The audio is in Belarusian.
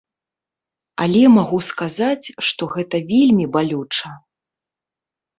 Але магу сказаць, што гэта вельмі балюча.